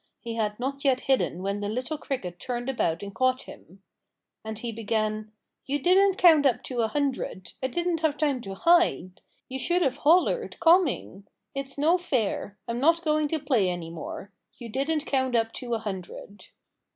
He had not yet hidden when the little cricket turned about and caught him. And he began, "You didn't count up to a hundred! I didn't have time to hide! You should have hollered, 'Coming!' It's no fair! I'm not going to play any more you didn't count up to a hundred!"